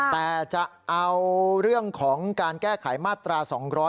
แต่จะเอาเรื่องของการแก้ไขมาตรา๒๗